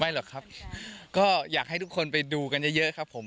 หรอกครับก็อยากให้ทุกคนไปดูกันเยอะเยอะครับผม